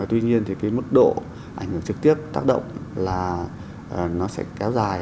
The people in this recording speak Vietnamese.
tuy nhiên thì cái mức độ ảnh hưởng trực tiếp tác động là nó sẽ kéo dài